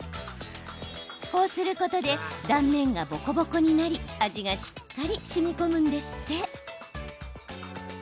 こうすることで断面がボコボコになり味がしっかりしみこむんですって。